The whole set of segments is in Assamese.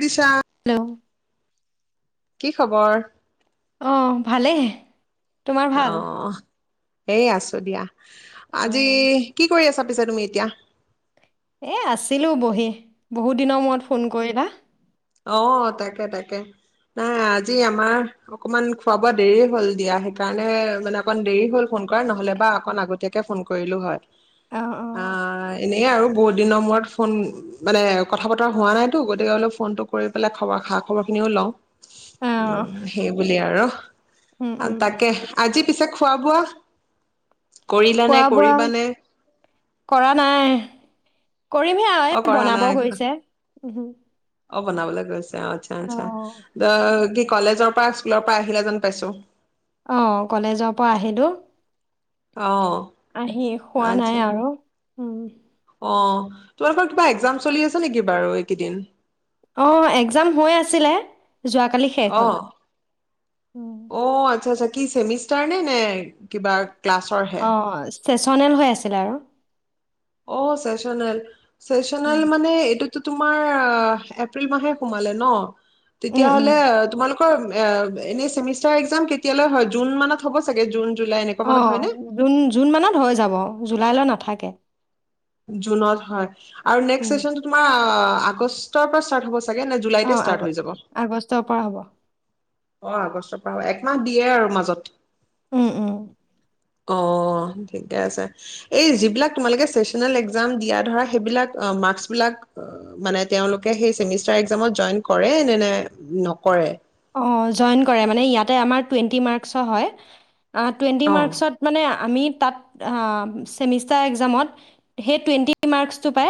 উৰিশা। হেল্ল' কি খবৰ? অ ভালেইে। অ'। এ আছো দিয়া। আজি অ'। কি কৰি আছা? [unintelligible] তুমি এতিয়া। এ আছিলো বহি, বহুত দিনৰ মূৰত ফোন কৰিলা। অ', তাকে তাকে, নাই আজি আমাৰ অকমান খোৱা বোৱা দেৰিয়ে হল দিয়া, সেইকাৰণে মানে অকণ দেৰি হল ফোন কৰা নহলে বা অকণ আগতীয়াকে ফোন কৰিলো হয়। অ' আ অ'। এনে আৰু বহুত দিনৰ মূৰত ফোন মানে কথা বতৰা হোৱা নাইতো গতিকে বোলে ফোনটো কৰি পেলাই খবৰ খা খবৰ খিনিও লওঁ অ', উ, সেইবুলি আৰু। উম, অ উম তাকে আজি পিছত খোৱাবোৱা খোৱা বোৱা, কৰা নাই। কৰিম হে আও অ এই কৰা বনাব নাই গৈছে অ', বনাবলৈ গৈছে। আচ্ছা আচ্ছা, অ' দ কলেজৰ পৰা, স্কুলৰ পৰা আহিলে যেন পাইছো। অ কলেজৰ পৰা আহিলো অ আহি খোৱা আচ্ছা নাই আৰু উম অ তোমালোকৰ কিবা একজাম চলি আছে নেকি বাৰু এইকেইদিন অ একজাম হৈ আছিলে যোৱাকালি শেষ অ হ'ল অ আচ্ছা আচ্ছা কি চেমিষ্টাৰ নে নে কিবা ক্লাছৰহে অ' চেচনেল হৈ আছিলে আৰু। অ চেচনেল চেচনেল উম, মানে এইটো টো তোমাৰ এপ্ৰিল মাহে সোমালে ন উম। তেতিয়াহ'লে তোমালোক এনেয়ে চেমিষ্টাৰ একজাম কেতিয়ালৈ হয় জুন মানত হ'ব চাগে জুন জুলাই এনেকুৱা অ মানত হয়নে জুন জুন মানত হৈ যাব জুলাইলৈ নাথ াথাকে জুনত হয়। আৰু নেক্সট চেচন টো তোমাৰ আগষ্টৰ পৰা ষ্টাৰ্ট হ'ব চাগে নে জুলাইতে অ ষ্টাৰ্ট আগ হৈ যাব আগষ্টৰ পৰা হ'ব অ আগষ্টৰ পৰা একমাহ দিয়ে আৰু মাজত উম উম অ ঠিকে আছে এই যিবিলাক তোমালোকে চেচনেল একজাম দিয়া ধৰা সেইবিলাক মাৰ্কচবিলাক মানে তেওঁলোকে সেই চেমিষ্টাৰ একজামত জইন কৰে নে নে নকৰে অ', জইন কৰে মানে, ইয়াতে আমাৰ টুৱেণ্টি মাৰ্কচৰ হয়। অ টুৱেন্টি অ মাৰ্কচত মানে আমি তাত ছেমিষ্টাৰ একজামত সেই টুৱেণ্টি মাৰ্কচটো পাই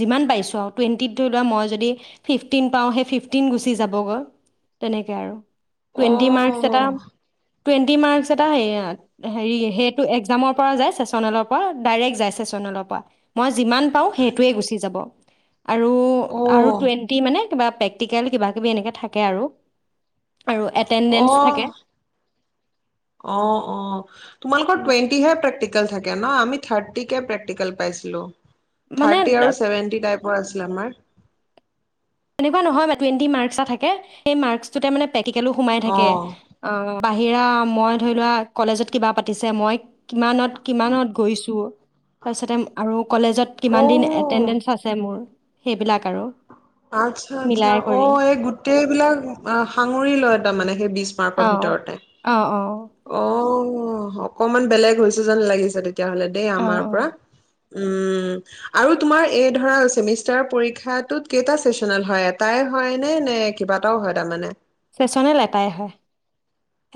যিমান পাইছোঁ আৰু টুৱেণ্টিত ধৰি লোৱা মই যদি ফিফটিন পাওঁ সেই ফিফটিন গুচি যাবগৈ তেনেকে আৰু। অ টুৱেণ্টি মাৰ্কচ এটা টুৱেণ্টি মাৰ্ক্স এটা হেইয়া, হেৰি হেইটো এক্জামৰ পৰা যায় চেচনেলৰ পৰা, ডাইৰেক্ট যায় চেচনেলৰ পৰা, মই যিমান পাঁও সেইটোৱেই গুছি যাব। আৰু অ আৰু টুৱেণ্টি মানে কিবা পেক টিকেল কিবা কিবি এনেকে থাকে আৰু। আৰু এটেণ্ডেঞ্চ থাকে অহ, অ অ তোমালোকৰ উম, টুৱেণ্টিহে প্ৰেক্টি [unintelligible] থাকে ন', আমি থাৰ্টিকে প্ৰেক্টিকেল পাইছিলো। মানে থাৰ্টি আৰু চেভেণ্টি টাইপ [unintelligible] আছিল আমাৰ। তেনেকুৱা নহয় মা, টুৱেন্টি মাৰ্কছ এটা থাকে সেই মাৰ্কছটোতে মানে পেকটিকেলো সোমাই থাকে, অ', অ', বাহিৰা মই ধৰি লোৱা কলেজত কিবা পাতিছে, মই কিমানত কিমানত গৈছোঁ, তাৰপিছতে আৰু কলেজত কিমান দিন অ', এটেণ্ডেঞ্চ আছে মোৰ সেইবিলাক আৰু আচ্ছা আচ্ছা মিলাই কৰি অ' এই গোটেই বিলাক সাঙুৰি লয় তামানে সেই বিজ অ [unintelligible] উম। ভিতৰতে অ অ'। অ'। অঁ অকণমান বেলেগ হৈছে যেন লাগিছে দেই। তেতিয়া হ'লে দেই অ আমাৰ পৰা। অ উম আৰু তোমাৰ এই ধৰা চেমিষ্টাৰ পৰীক্ষাটোত কেইটা চেচনেল হয় এটাই হয়নে নে কেইবাটাও হয় তাৰমানে? চেচনেল এটাই হয়।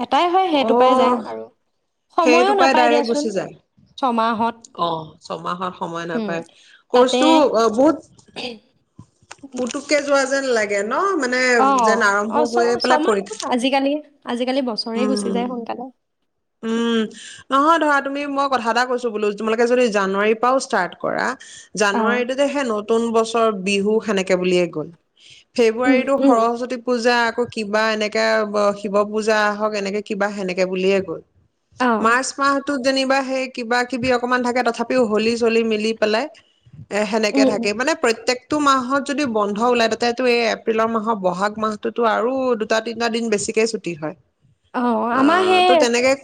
এটাই হয়, সেইটোপাই যায় আৰু। সময়ো সেইটোপাই নাপায় ডাইৰেক্ট দিয়াচোন গুছি যায় ছমাহত অ' ছমাহৰ সময় উম নাপাই তাতে কোৰ্চটো বহুত‌ [unintelligible] উম, পোটোকে পোৱা যেন লাগে। ন' মানে অ', যেন অ', আৰম্ভ অ', হৈ পেলাই পৰীক্ষা ছ-ছমাহ আজিকালি আজিকালি বছৰেই গুচি যায় উম সোনকালে। উম নহয় ধৰা তুমি মই কথা এটা কৈছো বোলো তোমালোকে যদি জানুৱাৰীৰ পৰাও ষ্টাৰ্ট কৰা অ জানুৱাৰীটোতে সেই নতুন বছৰ। বিহু হেনেকে বুলিয়ে গ'ল। উম ফেব্ৰুৱাৰীতো উম সৰস্বতী পূজা আকৌ কিবা এনেকে শিৱ পূজা আহক এনেকে কিবা সেনেকে বুলিয়ে গ'ল। অ মাৰ্চ মাহটো যেনিবা সেই কিবা কিবি অকমান থাকে তথাপিও হলি চলি মিলি পেলাই। এ সেনেকে উম উম থাকে মানে প্ৰত্যেক টো মাহত যদি বন্ধ ওলাই তাতেইটো এই এপ্ৰিলৰ মাহৰ বহাগ মাহটোতো আৰু দুটা তিনিটা দিন বেছিকে ছুটি হয়। অ আ আমাৰ সেই তো তেনেকে [inaudible]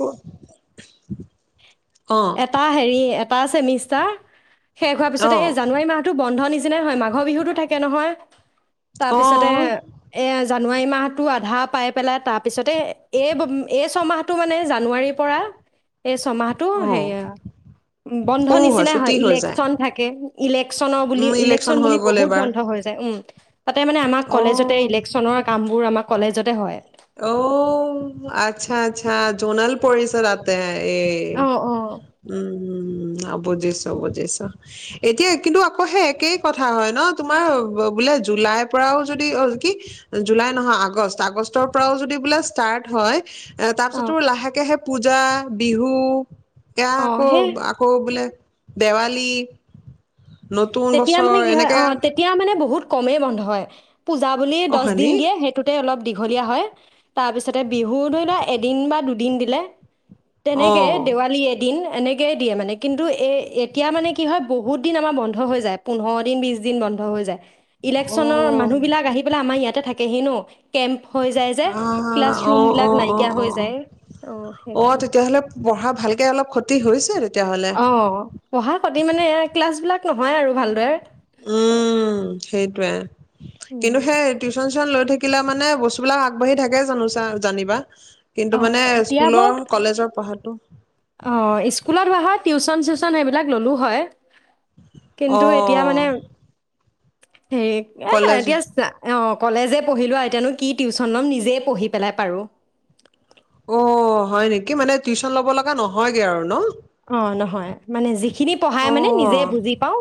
এটা হেৰি এ পাৰ‌ ছেমিষ্টাৰ? শেষ হোৱাৰ পিছতে এই অ', জানুৱাৰী মাহটো বন্ধ নিচিনা [unintelligible] হয় মাঘৰ বিহুতো থাকে নহয়। তাৰপিছতে অ', এইয়া জানুৱাৰী মাহটো আধা পাই পেলাই। তাৰপিছতে এই এই ছমাহটো মানে জানুৱাৰীৰ পৰা এই ছমাহটো অ', সেয়া বন্ধ সৰু নিচিনা ছুটি হয় হৈ যায়। ইলেকচন থাকে। ইলেকশচনৰ বুলি উম, ইলেকচন হৈ বুলি গ'ল বহুত এইবাৰ বন্ধ হৈ যায়। উম। তাতে মানে আমাক কলেজতে অ', ইলেকচনৰ কাম বোৰ আমাক কলেজতে হয়। অও আচ্ছা আচ্ছা জনাল পৰিচে তাতে এ অ অ উম উম। অ বুজিছো বুজিছো। এতিয়া কিন্তু আকৌ সেই একেই কথা হয় ন তোমাৰ বোলে জুলাইৰ পৰাও যদি কি জুলাই নহয় আগষ্ট আগষ্ট টৰ পৰা যদি বোলে ষ্টাৰ্ট হয়। এ অ তাপিছতোৰ লাহেকে হে পূজা। বিহু। সেইয়া অ আকৌ সেই আকৌ বোলে দেৱালী নতুন তেতিয়া বছৰ মানে কি হয় এনেকে অ, তেতিয়া মানে বহুত কমেই বন্ধ হয়। পূজা বুলি অ দচ দিন হয়নি দিয়ে সেইটোতে অলপ দীঘলীয়া হয়। তাৰপিছতে বিহু ধৰি লোৱা এদিন বা দুদিন দিলে অ তেনেকে দেৱালী এ দিন এনেকেয়ে দিয়ে মানে কিন্তু এ এতিয়া মানে কি হয় বহুত বহুত দিন আমাৰ বন্ধ হৈ যায়। পোন্ধৰ দিন বিশ দিন বন্ধ হৈ যায়। অ ইলেকচনৰ মানুহ বিলাক আহি পেলাই আমাৰ ইয়াত ইয়াতেই থাকেহি ন কেম্প হৈ যায় যে অ ক্লাছ অ ৰুম অ বিলাক অ নাইকিয়া অ অ হৈ যায় অ অ সেইকাৰণে তেতিয়াহ'লে পঢ়া ভালকে অলপ খট টি হৈছে তেত অ পঢ়া খতি মানে এ ক্লাছ বিলাক।। নহয় আৰু ভালদৰে।। উম সেইটো য়ে। কিন্তু উম সেই টিউচন।। টিউচনলৈ থাকিলে মানে বস্তুবিলাক আগবাঢ়ি থাকে জানো চা জানিবা।। কিন্তু অ মানে এতিয়া স্কুলৰ বাৰু কলেজৰ পঢ়া।। টো।। অ স্কুলত হোৱা হয় টিউচন চিউচন সেইবিলাক ল'লোঁ হয়। অ কিন্তু এতিয়া মানে।। হেৰি এ কলেজ দয়াচা অ [inaudible] কলেজে পঢ়িলোঁ এতিয়া নো কি টিউচন ল'ম নিজেই পঢ়ি পেলাই পাৰোঁ। অ' হয় নেকি, মানে টিউচন ল'ব লগা নহয়গে আৰু ন? অ' নহয় মানে যিখিনি পঢ়াই অ মানে নিজে বুজি পাও,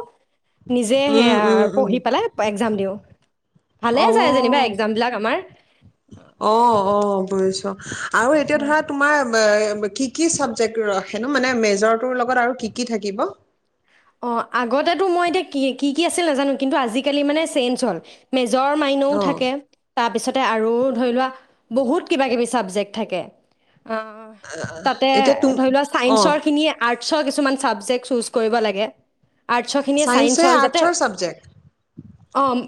নিজে উম সেয়া উম উম পঢ়ি পেলাই এক্সাম দিওঁ। [inaudible] যায় যেনিবা অ', এক্সামবিলাক আমাৰ অ', অ', বুজিছো। [inaudible] আৰু এতিয়া অ ধৰা তোমাৰ কি কি চাবজেক্ট ৰাখেনো? মানে মেজৰটোৰ লগত আৰু কি কি থাকিব? অ, আগতেতো মই এতিয়া কি, কি কি আছিল নাজানো, কিন্তু আজিকালি মানে চেঞ্জ হ'ল, মেজ মেজৰ, মাইনৰ ও অ', থাকে, তাৰপিছত আৰু ধৰি লোৱা, বহুত কিবা-কিবি ছাবজেক্ট থাকে। অ', তাতে এতিয়া তুম ধৰি লোৱা অ', চাইন্সৰ খিনি আৰ্টচৰ কিছু কিছুমান ছাবজেক্ট চুজ কৰিব লাগে। আৰ্টচৰ খিনিয়ে চাইন্সে চাইন্সৰ যাতে, আৰ্টছৰ চাবজেক্ট অ',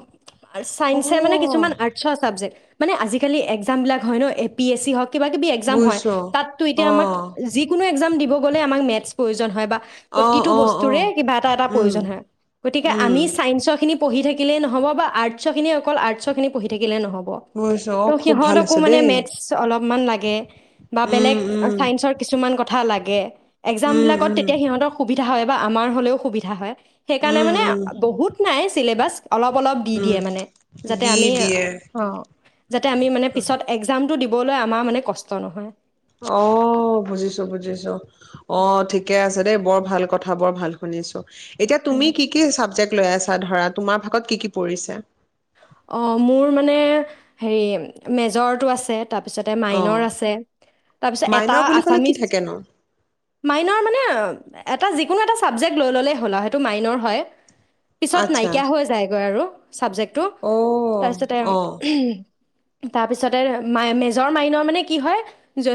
চাইন্সছে মানে কিছুমান অ', আৰ্টচৰ চাবজেক্ট মানে আজিকালি এক্সাম বিলাক হয় ন, এপিএছচি হওক কিবা কিবি এক্সাম হয়, বুজিছো তাতটো এতিয়া আমাক অ', যিকোনো এক্সাম দিব গ'লেই আমাক মেথছ প্ৰয়োজন হয় বা অ', অ'। টোৰে অ', কিবা এটা এটা উম, প্ৰয়োজন হয়, গতিকে উম, আমি চাইন্সৰ খিনি পঢ়ি থাকি থাকিলেই নহ'ব বা আৰ্টছৰ খিনি অকল আৰ্টছৰ খিনি পঢ়ি থাকিলেই নহ'ব। বুজিছো ত, অ', খুব ভাল সিহঁতকোঁ হৈছে মানে দেই মেথছ অলপ ইমান লাগে। বা উম, বেলেগ উম, চাইন্সৰ কিছুমান গ [unintelligible] লাগে। এক্সাম উম, বিলাকত উম, তেতিয়া সিহঁতৰ সুবিধা হয়। বা আমাৰ হ'লেও সুবিধা হয়। সেইকাৰণে উম, মানে উম, বহুত নাই চিলেবাছ অলপ অলপ দি উম, দিয়ে মানে, যাতে দি আমি, দিয়ে অ'। যাতে আমি মানে পিছত এক্সামটো দি বলৈ আমাৰ মানে কষ্ট নহয়। অ', বুজিছো বুজিছো, অ', ঠিকে আছে। দেই বৰ ভাল কথা, বৰ ভাল শুনিছোঁ। এতিয়া তুমি উম। কি কি চাবজেক্ট লৈ আছ ধৰা, তোমাৰ ভাগত কি কি পৰিছে? অ', মোৰ মানে, হেৰি মেজৰটো আছে। তাৰপিছতে মাইনৰ অ', আছে, তাৰপিছত এটা মাইনৰ বুলি ক'লে কি আছামিচ থাকেনো? মাইনৰ মানে, এটা যিকোনো এটা ছাবজেক্ট লৈ ল'লেই হ'ল আৰু সেইটো মাইনৰ হয়। পিছত আচ্ছা নাইকিয়া হৈ যায়গৈ আৰু। চাবজেক্টো অ', তাৰপিছতে অ', উহ তাৰপিছতে মাই মেজৰ মাইনৰ মানে কি হয়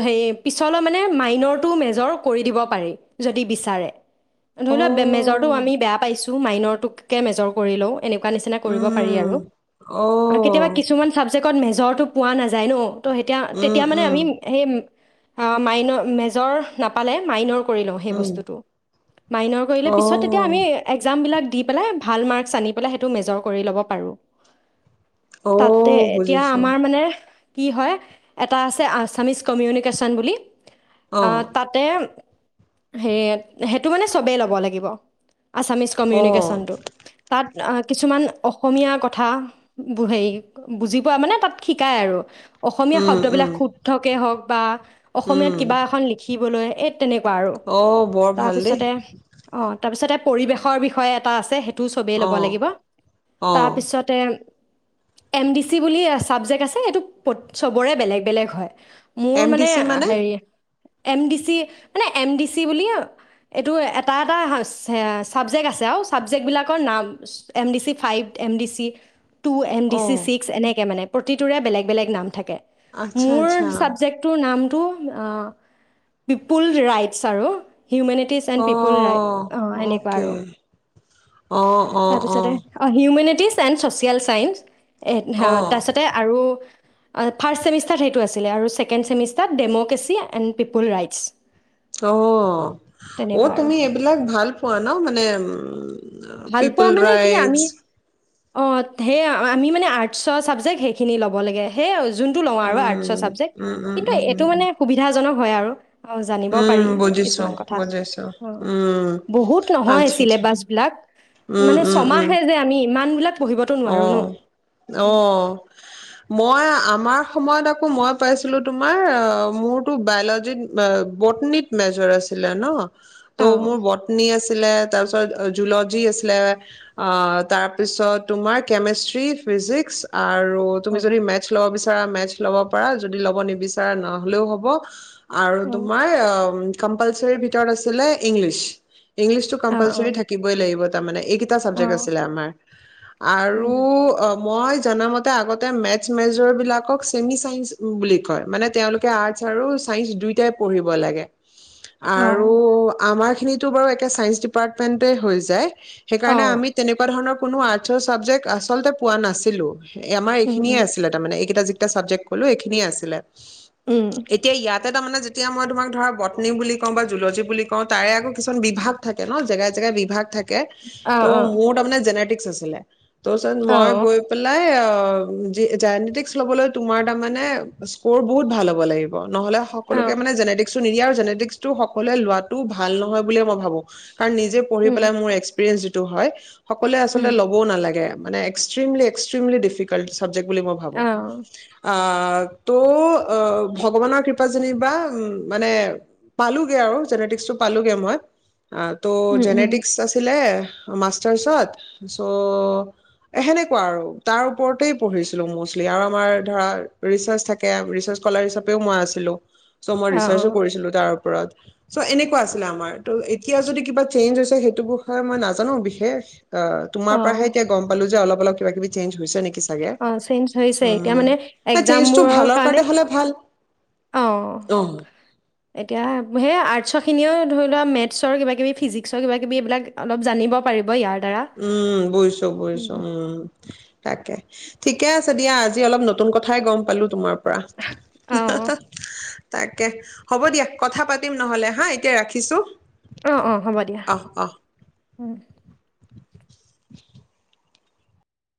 হে পিছলৈ মানে মাইনৰটো মেজৰ কৰি দিব পাৰি, যদি বিচাৰে ধৰি লোৱা মেজৰটো অ', আমি বেয়া পাইছোঁ মাইনৰটোকে মেজৰ কৰি লওঁ। এনেকুৱা নিচিনা কৰিব পাৰি উম, আৰু। আৰু কেতিয়াবা অ', কিছুমান চাবজেক্ট কত মেজৰটো পোৱা নাযায় ন'। ত' সেতিয়া উম, তেতিয়া মানে উম, আমি সেই অ', মাইন'ৰ মেজৰ নাপালে মাইন'ৰ কৰি লওঁ সেই উম, বস্তুটো, মাইন'ৰ কৰিলে পিছত তেতিয়া আমি অ', এক্জামবিলাক দি পেলাই ভাল মাৰ্কছ আনি পেলাই সেইটো মেজৰ কৰি ল'ব পাৰোঁ। তাতে অ', এতিয়া বুজিছো আমাৰ মানে কি হয় এটা আছে আছামিজ কমিউনিকেশ্যন বুলি। অহ, অ', তাতে সেই সেইটো মানে চবেই ল'ব লাগিব। আছামিছ অ', কমিউনিকেশ্যনটো, তাত অ', কিছুমান অসমীয়া ক ঠা হেৰি বুজি পোৱা মানে তাত শিকাই আৰু। অসমীয়া উম, শব্দবিলাক উম, শুদ্ধকেই হওঁক। বা অসমীয়াত উম, কিবা এখন লিখি বলৈ এ তেনেকুঁৱা আৰু, অ', বৰ ভাল দেই তাপিছতে অ'। তাৰপিছতে পৰিৱেশৰ বিষয়ে এটা আছে, হে সেইটো চবেই ল'ব অ', লাগিব অ', তাৰপিছত এম ডি‌ চি বুলি চাবজেক্ট আছে সেইটো প-চবৰে বেলেগ, বেলেগ হয়। মোৰ এম ডি মানে চি হেৰি এম ডি চি মানে এম ডি চি বুলি এইটো এটা, এটা চাবজেক্ট আছে আৰু চাবজেক্টবিলাকৰ নাম M D C five M D C. Two M D C অ', ছিক্স এনেকে মানে। প্ৰতিটোৰে বেলেগ, বেলেগ নাম থাকে। আচ্ছা মোৰ আচ্ছা চাবজেক্টটোৰ নাম টো আ, পিপুল ৰাইটচ আৰু। হিউমেনিটিছ এন পিপল ৰাই, অ', অ', এনেকুৱা আৰু অকে অ', অ', তাৰপিছতে অ', হিউমেনি [unintelligible] [unintelligible] চাইন্স। [unintelligible] অ', তাছতে আৰু অ', ফাৰ্ষ্ট চেমিষ্টাৰত সেইটো আছিলে আৰু ছেকেণ্ড চেমিষ্টাৰত ডেম'ক্ৰেছি এণ্ড পিপল ৰাইটছ। অ', তেনেকুৱা অ', আৰু তুমি এইবিলাক ভাল পোৱা ন? মানে ভাল পিপল পোৱা মানে কি ৰাইটচ আমি অ', সেই আমি মানে আৰ্টছৰ চাবজেক্ট সেইখিনি ল'ব লাগে, সেয়া জোনটো লওঁ আৰু আৰ্টছৰ উম, চাবজেক্ট, উম, উম, কিন্তু উম, এইটো উম, মানে সুবিধা জনক হয়, আৰু অ', জানিব উম পাৰি, বুজিছো কিছুমান কথা বুজিছো অ', উম, বহুত নহয় আচ্ছা আচ্ছা চিলেবাছ বিলাক উম, মানে উম, উম ছমাহেই যে, আমি ইমান বিলাক পঢ়িবতো নোৱাৰো ন। অ' উম। অ'। মই আমাৰ সময়ত আকৌ মই পাইছিলো, তোমাৰ মোৰতো বায়'লজিত বটেনিত মেজৰ আছিলে ন ত' অ', মোৰ বটেনি আছ। আছিলে তাৰপিছত জুল'জি আছিলে অ' তাৰপিছত তোমাৰ কেমেষ্ট্ৰি, ফিজিক্স আৰু তুমি যদি অ', মেট্ছ ল'ব বিচাৰা মেট্চ লব পাৰা, যদি ল'ব নিবিচাৰা নহলেও হ'ব আৰু অ', তোমাৰ অ' উম কম্পালচৰিৰ ভিতৰত আছিলে ইংলিছ। ইংলিছটো অ', কম্পালচৰী অ', থাকিবই লাগিব। তাৰমানে এইকেইটা অ', চাবজেক্ট আছিলে আমাৰ। আৰু মই জনামতে আগতে মেথছ মেজৰ বিলাকক চেমি চাইন্স বুলি কয়, মানে তেওঁলোকে আৰ্টছ আৰু চাইন্স দুইটাই পঢ়িব লাগে। আৰু আমাৰ খিনিত টো বাৰু এতিয়া ছাইন্স ডিপাৰ্টমেণ্টেই হৈ যায়। সেইকাৰণে অ', আমি তেনেকুৱা ধৰণৰ কোনো আ চাবজেক্ট আচলতে পোৱা নাছিলো। এ আমাৰ উম, এইখিনিয়ে উম, আছিলে তাৰমানে এইকেইটা যি চাবজেক্ট ক'লো, এইখিনিয়ে আছিলে। উম, এতিয়া ইয়াতে তাৰমানে যে তেতিয়া মই তোমাক ধৰা বত্নী বুলি কওঁ বা জুলজী বুলি কওঁ তাৰে আকৌ কিছুমান বিভাগ থাকে ন জেগাই জেগাই বিভাগ থাক তে অ', টো মোৰ তামানে জেনেটিক্স আছি তোৰচত অ', মই অ', গৈ পেলাই অ'। অ', জেনেটিক্স ল'বলৈ তোমাৰ তাৰমানে স্ক'ৰ বহুত ভাল হ'ব লাগিব। নহ'লে অ সকলোকে মানে জেনেটিক্সটো নিদিয়ে আৰু জেনে সকলোৱে লোৱাটো ভাল নহয়, বুলিয়ে মই ভাবো কাৰণ নিজে পঢ়ি উম, পেলাই মোৰ এক্সপেৰিয়েন্স যিট টো হয় সকলোৱে আচলতে উম, ল লাগে মানে এক্সট্ৰিমলী, এক্সট্ৰিমলী ডিফিকাল্ট চাবজেক্ট। বুলি মই ভাবো অ', আ আ, ত' অ', ভগৱানৰ কৃপাত যেনিবা মানে পালোগে আৰু জেনেটিক্সটো পালোগে মই। অ', তো উম, উম, জেনেটিক্স আছিলে মাষ্টাৰ্চত ত' সেনেকুৱা আৰু তাৰ ওপৰতেই পঢ়িছিলো মষ্টলি আৰু আমাৰ ধৰা ৰিচাৰ্চ থাকে, ৰিচাৰ্চ স্কলাৰ হিচাপেও মই আছিলো। চ' মই অ', ৰিচাৰ্চ ও অ', কৰিছিলো তাৰ ওপৰত, চ' এনেকুৱা আছিল আমাৰ। ত' এতিয়া যদি কিবা চেঞ্জ হৈছে সেইটো বিষয়ে মই নাজানো বিশেষ অ' তোমাৰ পৰাহে অ', এতিয়া গম পালো যে, অলপ অলপ কিবা কবি চেঞ্জ হৈছে নেকি চাগে অ', চেঞ্জ হৈছে, এতিয়া উম, মানে নাই চেঞ্জটো এক্জামবোৰৰ ভালৰ কাৰণে হ'লে ভাল। অ', এতিয়া হেইয়া আৰ্টছৰ খিনিও ধৰি লোৱা মেটচৰ কিবা, কিবি ফিজিক্সৰ কিবা, কিবি এইবিলাক অলপ জানিব পাৰিব ইয়াৰ দ্বাৰা। উম, বুইছো বুইছো উম, তাকে ঠিকে আছে দিয়া আজি অলপ নতুন কথাই গম পালো তোমাৰ পৰা অ', অ', তাকে হ'ব, দিয়া কথা পাতিম নহ'লে হা এতিয়া ৰাখিছো। অ', অ', হ'ব দিয়া অহ, অহ। উম।